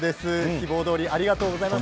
希望どおりありがとうございます。